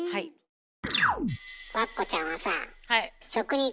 はい。